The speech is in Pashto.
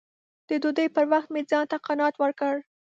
د ډوډۍ پر وخت مې ځان ته قناعت ورکړ